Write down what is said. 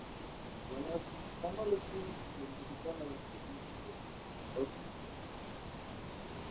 Current renowned presenters include Andi Knoll and Katharina Bellowitsch.